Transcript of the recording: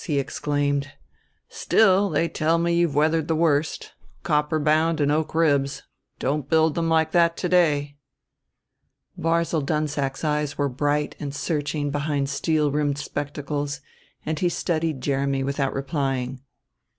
he exclaimed. "Still they tell me you've weathered the worst. Copper bound and oak ribs. Don't build them like that to day." Barzil Dunsack's eyes were bright and searching behind steel rimmed spectacles, and he studied Jeremy without replying.